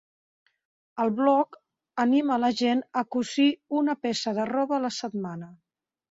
El blog anima la gent a "cosir una peça de roba a la setmana".